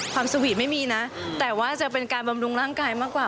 สวีทไม่มีนะแต่ว่าจะเป็นการบำรุงร่างกายมากกว่า